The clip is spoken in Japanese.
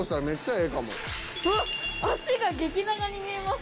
うわっ足が激長に見えます。